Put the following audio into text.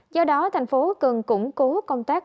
do đó tp hcm cần củng cố công tác